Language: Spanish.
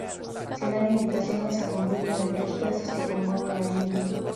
Se dan indicaciones a cumplir durante los tercios que componen la lidia.